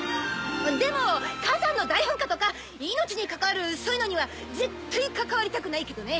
でも火山の大噴火とか命に関わるそういうのには絶対関わりたくないけどね。